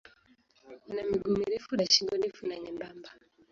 Wana miguu mirefu na shingo ndefu na nyembamba.